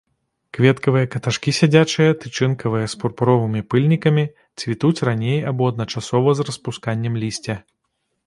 Кветкавыя каташкі сядзячыя, тычынкавыя з пурпуровымі пыльнікамі, цвітуць раней або адначасова з распусканнем лісця.